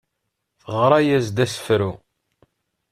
Teɣra-yas-d asefru.